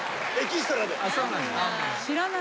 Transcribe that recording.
そうなんだ。